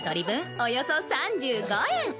およそ３５円。